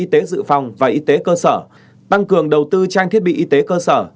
y tế dự phòng và y tế cơ sở tăng cường đầu tư trang thiết bị y tế cơ sở